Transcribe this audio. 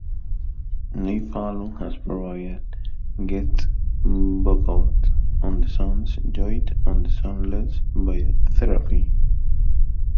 Neil Fallon has provided guest vocals on the songs "Joey" on "Shameless" by Therapy?